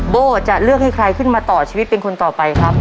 โบ้จะเลือกให้ใครขึ้นมาต่อชีวิตเป็นคนต่อไปครับ